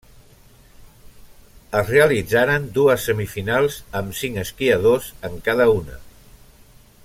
Es realitzaren dues semifinals amb cinc esquiadors en cada una.